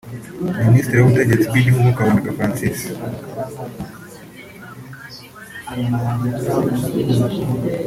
Minisitiri w’Ubutegetsi bw’Igihugu Kaboneka Francis